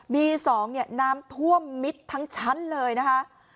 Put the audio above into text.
๒เนี่ยน้ำท่วมมิดทั้งชั้นเลยนะคะ